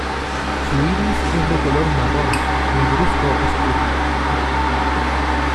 Su iris es de color marrón negruzco oscuro.